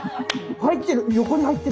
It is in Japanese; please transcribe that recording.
入ってる！